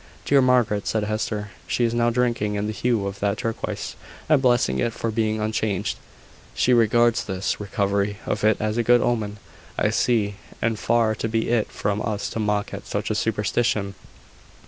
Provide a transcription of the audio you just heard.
"Dear Margaret!" said Hester. "She is now drinking in the hue of that turquoise, and blessing it for being unchanged. She regards this recovery of it as a good omen, I see; and far be it from us to mock at such a superstition!"